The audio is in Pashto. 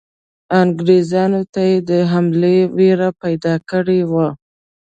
انګریزانو ته یې د حملې وېره پیدا کړې وه.